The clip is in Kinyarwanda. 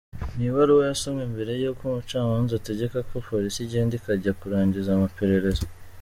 Ni ibaruwa yasomwe mbere yuko umucamanza ategeka ko polisi igenda ikajya kurangiza amaperereza.